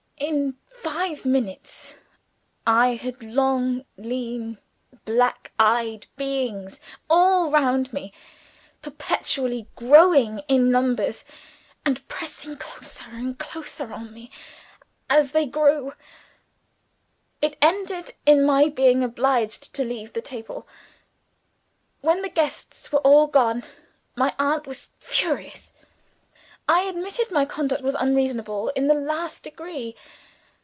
In five minutes I had long, lean, black eyed beings all round me; perpetually growing in numbers, and pressing closer and closer on me as they grew. It ended in my being obliged to leave the table. When the guests were all gone, my aunt was furious. I admitted my conduct was unreasonable in the last degree.